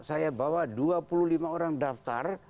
saya bawa dua puluh lima orang daftar